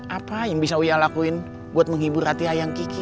apa yang bisa uya lakuin buat menghibur hati ayam kiki